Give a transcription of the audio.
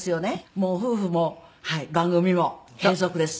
もう夫婦も番組も継続です。